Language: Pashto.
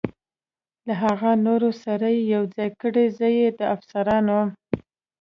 له هغه نورو سره یې یو ځای کړئ، زه یې د افسرانو.